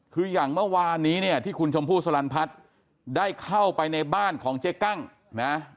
คืออย่างเมื่อวานนี้เนี่ยที่คุณชมพู่สลันพัฒน์ได้เข้าไปในบ้านของเจ๊กั้งนะ